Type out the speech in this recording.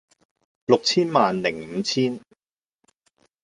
六千萬零五千